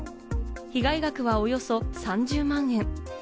被害額はおよそ３０万円。